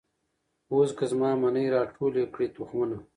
اوس که زما منۍ را ټول یې کړی تخمونه